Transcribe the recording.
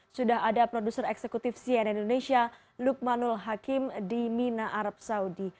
sudah ada produser eksekutif cnn indonesia lukmanul hakim di mina arab saudi